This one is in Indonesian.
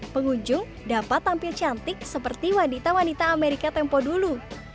pengunjung dapat tampil cantik seperti wanita wanita amerika tempo dulu